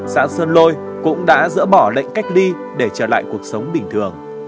xã sơn lôi cũng đã dỡ bỏ lệnh cách ly để trở lại cuộc sống bình thường